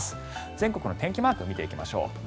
全国の天気マーク見ていきましょう。